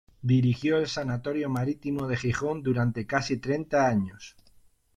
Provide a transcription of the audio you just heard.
Dirigió el Sanatorio Marítimo de Gijón durante casi treinta años.